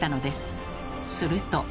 すると。